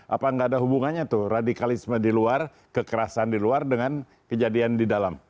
apa nggak ada hubungannya tuh radikalisme di luar kekerasan di luar dengan kejadian di dalam